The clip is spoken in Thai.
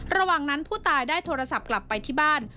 ระหว่างนั้นผู้ตายได้โทรศัพท์กลับไปที่บ้าน